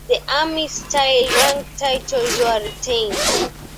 The army-style rank titles were retained.